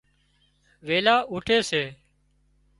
ويلان اُُوٺي سي